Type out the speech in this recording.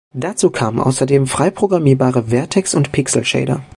Dazu kamen außerdem frei programmierbare Vertex- und Pixel-Shader.